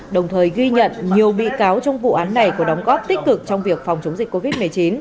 đồng thời ghi nhận nhiều bị cáo trong vụ án này có đóng góp tích cực trong việc phòng chống dịch covid một mươi chín